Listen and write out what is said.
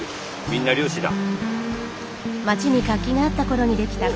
みんな漁師だ。